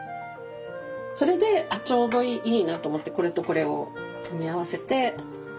それであっちょうどいいなと思ってこれとこれを組み合わせてこの辺みたいな。